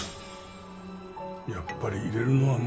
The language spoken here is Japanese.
やっぱり入れるのは無理か